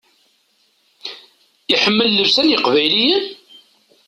Iḥemmel llebsa n yeqbayliyen?